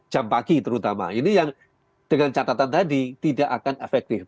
jam pagi terutama ini yang dengan catatan tadi tidak akan efektif